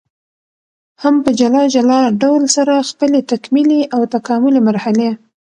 هم په جلا جلا ډول سره خپلي تکمیلي او تکاملي مرحلې